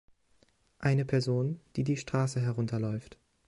Ein Person, die die Straße herunter läuft